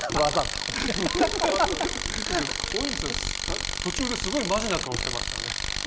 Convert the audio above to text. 大泉さん、途中でマジな顔してましたよね。